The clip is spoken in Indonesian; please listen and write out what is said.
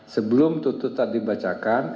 sebelum tutupan dibacakan